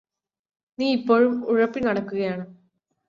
നീ ഇപ്പോഴും ഉഴപ്പി നടക്കുകയാണോ?